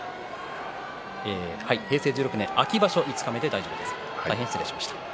平成１６年秋場所五日目です。